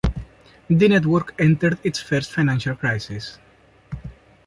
The network entered its first financial crisis.